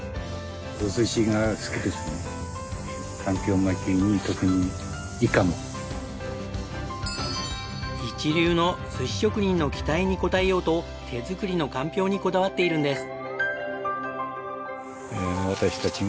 夫婦が一流の寿司職人の期待に応えようと手作りのかんぴょうにこだわっているんです。